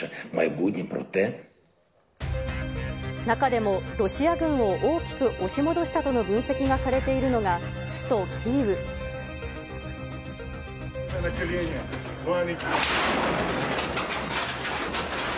中でも、ロシア軍を大きく押し戻したとの分析がされているのが、首都キーウ。